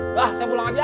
udah saya pulang aja